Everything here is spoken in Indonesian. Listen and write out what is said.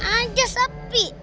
atausan aja sepi